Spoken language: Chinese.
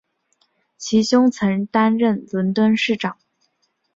其兄曾经担任伦敦市长。